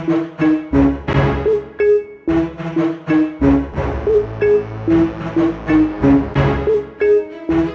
di jalanin tugas yang dikasih papi kamu